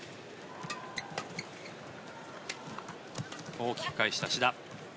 大きく返した志田。